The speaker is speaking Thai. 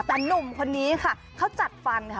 แต่หนุ่มคนนี้ค่ะเขาจัดฟันค่ะ